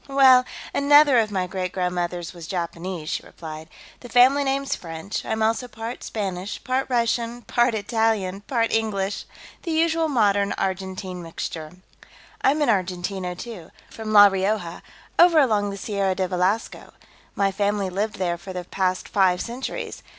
"Well, another of my great grandmothers was Japanese," she replied. "The family name's French. I'm also part Spanish, part Russian, part Italian, part English ... the usual modern Argentine mixture." "I'm an Argentino, too. From La Rioja, over along the Sierra de Velasco. My family lived there for the past five centuries.